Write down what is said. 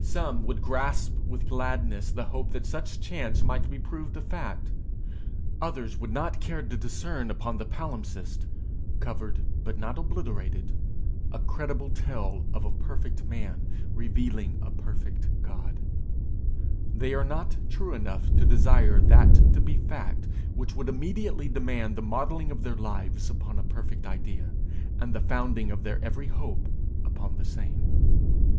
Some would grasp with gladness the hope that such chance might be proved a fact; others would not care to discern upon the palimpsest, covered but not obliterated, a credible tale of a perfect man revealing a perfect God: they are not true enough to desire that to be fact which would immediately demand the modelling of their lives upon a perfect idea, and the founding of their every hope upon the same.